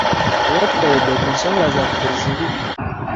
Tewatukoledde ku nsonga zaffe ziri?